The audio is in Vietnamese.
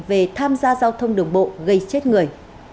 về tham gia giao thông đường bộ gây chết người